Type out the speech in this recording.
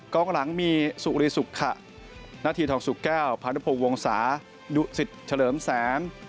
กองหลังมีสุริสุขะนาธีทองสุกแก้วพานุพงศ์วงศาดุสิตเฉลิมแสน